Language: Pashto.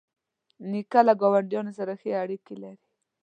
نیکه له ګاونډیانو سره ښې اړیکې لري.